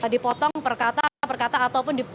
dipotong per kata ataupun di